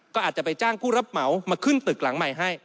ก็อาจจะไปจ้างผู้รับเหมามาขึ้นตึกหลังใหม่ให้